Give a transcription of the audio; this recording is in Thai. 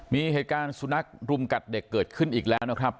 มีเหตุการณ์สุนัขรุมกัดเด็กเกิดขึ้นอีกแล้วนะครับ